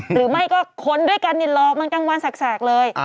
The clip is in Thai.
หรือไม่ก็ค้นด้วยกันเดี๋ยวรอมันกั้งวานแสกเลย